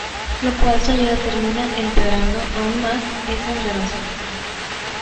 Lo cual su ayuda termina empeorando aún más esa relación.